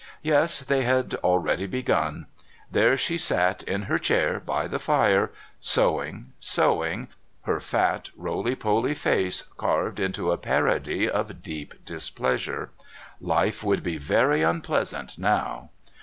Yes, they had already begun. There she sat in her chair by the fire, sewing, sewing, her fat, roly poly face carved into a parody of deep displeasure. Life would be very unpleasant now.